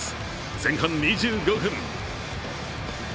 前半２５分。